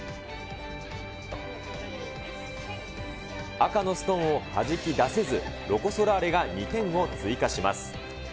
赤のストーンをはじき出せず、ロコ・ソラーレが２点を追加します。